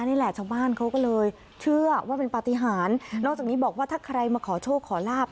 นี่แหละชาวบ้านเขาก็เลยเชื่อว่าเป็นปฏิหารนอกจากนี้บอกว่าถ้าใครมาขอโชคขอลาบ